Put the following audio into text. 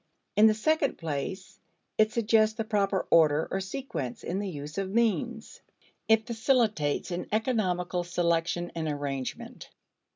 In the second place, it suggests the proper order or sequence in the use of means. It facilitates an economical selection and arrangement.